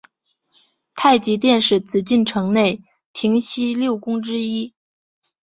太极殿是紫禁城内廷西六宫之一。